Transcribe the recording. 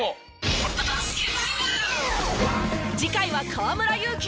次回は河村勇輝！